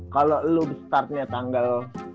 kalau lu startnya tanggal